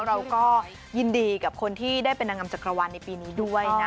เราก็ยินดีกับคนที่ได้เป็นนางงามจักรวาลในปีนี้ด้วยนะ